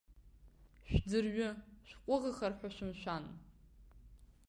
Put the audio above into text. Шәӡырҩы, шәҟәыӷахар ҳәа шәымшәан.